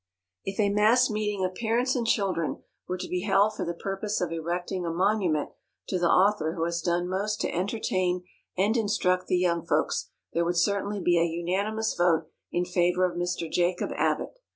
If a mass meeting of parents and children were to be held for the purpose of erecting a monument to the author who has done most to entertain and instruct the young folks, there would certainly be a unanimous vote in favor of Mr. Jacob Abbott.